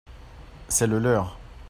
c'est le leur.